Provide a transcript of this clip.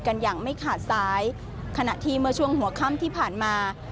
กันอย่างไม่ขาดซ้ายขณะที่เมื่อช่วงหัวค่ำที่ผ่านมา